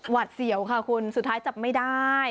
เสี่ยวค่ะคุณสุดท้ายจับไม่ได้